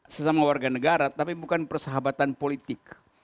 sesama warga negara tapi bukan persahabatan politik